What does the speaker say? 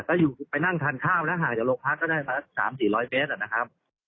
ก็อยู่นั่งทานข้าวห่างจากกรงพรรค๓๐๐๔๐๐เมตร